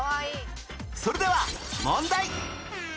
それでは問題